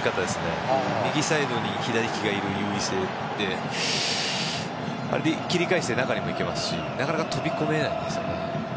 右サイドに左利きがいる優位性って切り返して中にも行けますしなかなか飛び込めないですね。